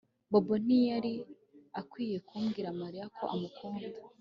Bobo ntiyari akwiye kubwira Mariya ko amukunda